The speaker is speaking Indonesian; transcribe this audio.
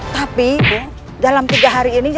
tapi dalam tiga hari ini